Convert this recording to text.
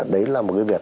đấy là một cái việc